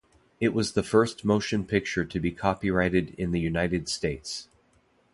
It was the first motion picture to be copyrighted in the United States.